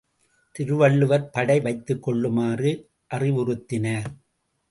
திருவள்ளுவர் படை வைத்துக்கொள்ளுமாறு அறிவுறுத்தினார்.